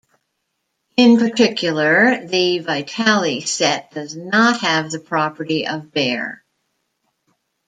In particular, the Vitali set does not have the property of Baire.